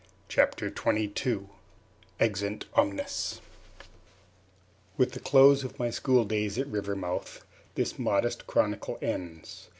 Chapter Twenty Two Exeunt Omnes With the close of my school days at Rivermouth this modest chronicle ends.